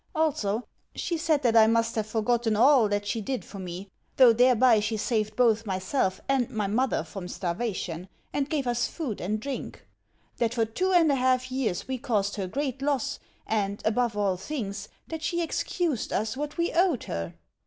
Also, she said that I must have forgotten all that she did for me, though thereby she saved both myself and my mother from starvation, and gave us food and drink; that for two and a half years we caused her great loss; and, above all things, that she excused us what we owed her.